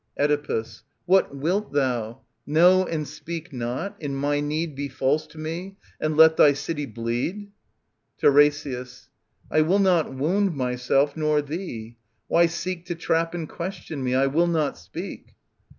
Oedipus. What wilt thou ? Know and speak not ? In my need Be false to me, and let thy city bleed ? TlRESIAS. X^^'^r*"" I will not wound myself nor thee. Why seek / j To trap and question me ? I will not speak.